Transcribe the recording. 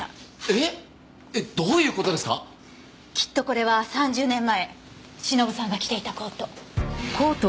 きっとこれは３０年前忍さんが着ていたコート。